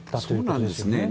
そうなんですね。